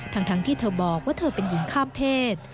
ทั้งที่เธอบอกว่าเธอเป็นหญิงข้ามเพศ